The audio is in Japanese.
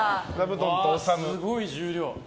すごい重量。